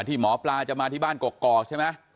ที่หมอปลาจะมาที่บ้านกอกใช่ไหม